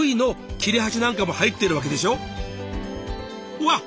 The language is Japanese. うわっ！